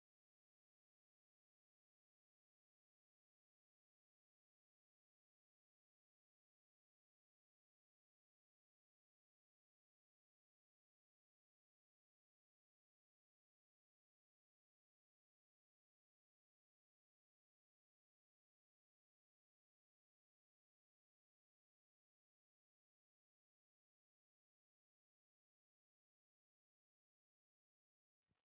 ya udah udah gue maen dua